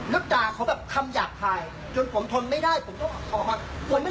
แล้วคลามอยากผล่ายจนผมทนไม่ได้ต้องขอมา